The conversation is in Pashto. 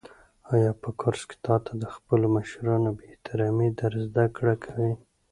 آیا په کورس کې تاته د خپلو مشرانو بې احترامي در زده کوي؟